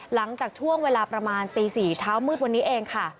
หลังจากช่วงเวลาประมาณตี๔เช้ามืดวันนี้เองค่ะ